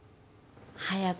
早く